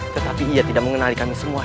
tetapi ia tidak mengenali kami semua